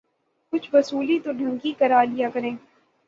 کچھ وصولی تو ڈھنگ کی کرا لیا کریں۔